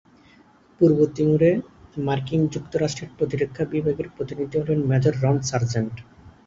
পূর্ব তিমুরে, মার্কিন যুক্তরাষ্ট্রের প্রতিরক্ষা বিভাগের প্রতিনিধি হলেন মেজর রন সার্জেন্ট।